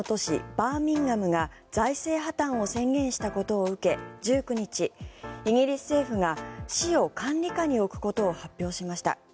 バーミンガムが財政破たんを宣言したことを受け１９日、イギリス政府が市を管理下に置くことを発表しました。